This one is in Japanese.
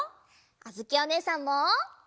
あづきおねえさんも！